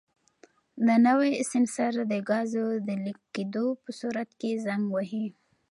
دا نوی سینسر د ګازو د لیک کېدو په صورت کې زنګ وهي.